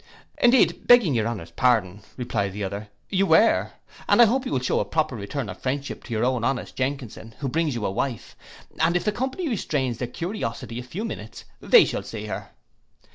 '—'Indeed, begging your honour's pardon,' replied the other, 'you were; and I hope you will shew a proper return of friendship to your own honest Jenkinson, who brings you a wife, and if the company restrains their curiosity a few minutes, they shall see her.